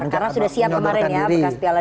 karena sudah siap kemarin ya bekas piala dunia